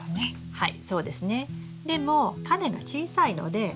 はい。